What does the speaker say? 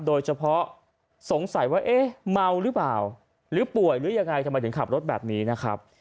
โดยเฉพาะสงสัยว่าเอ๊ะเมาหรือเปล่าหรือป่วยหรือยังไงทำไมถึงขับรถแบบนี้นะครับ